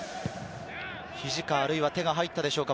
肘かあるいは手が入ったでしょうか？